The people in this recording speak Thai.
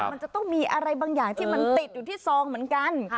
มันจะต้องมีอะไรบางอย่างที่มันติดอยู่ที่ซองเหมือนกัน